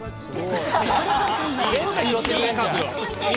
そこで今回、一度は泊まってみたい！